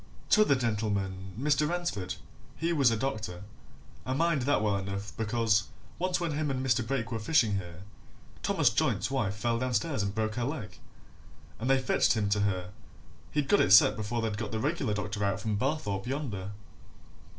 T'other gentleman, Mr. Ransford, he was a doctor I mind that well enough, because once when him and Mr. Brake were fishing here, Thomas Joynt's wife fell downstairs and broke her leg, and they fetched him to her he'd got it set before they'd got the reg'lar doctor out from Barthorpe yonder."